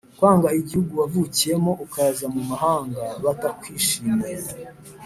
Kwanga igihugu wavukiyemo ukaza mu mahanga batakwishimiye